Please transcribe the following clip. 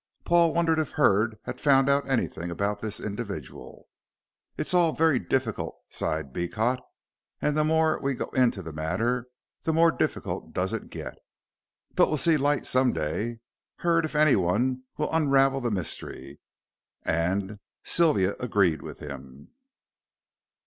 Paul wondered if Hurd had found out anything about this individual. "It's all very difficult," sighed Beecot, "and the more we go into the matter the more difficult does it get. But we'll see light some day. Hurd, if anyone, will unravel the mystery," and Sylvia agreed with him.